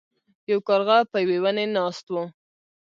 یو کارغه په یو ونې ناست و.